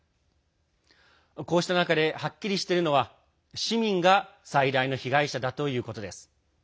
こうした中ではっきりしているのは市民が最大の被害者だということです。